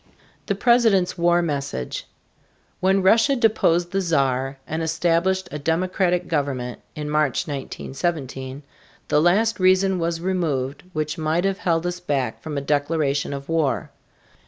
THE PRESIDENT'S WAR MESSAGE. When Russia deposed the Czar and established a democratic government, in March, 1917, the last reason was removed which might have held us back from a declaration of war.